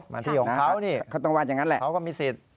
ที่ของเขานี่เขาต้องว่าอย่างนั้นแหละเขาก็มีสิทธิ์